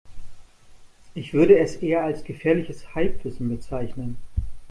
Ich würde es eher als gefährliches Halbwissen bezeichnen.